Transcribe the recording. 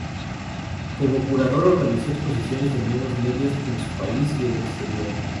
Como curador organizó exposiciones de nuevos medios en su país y el exterior.